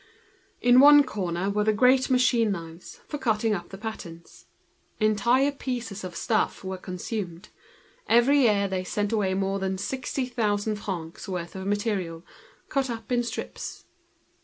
In one corner were the great machine knives, for cutting up the patterns. Entire pieces were consumed; they sent away every year more than sixty thousand francs' worth of material, cut up in strips.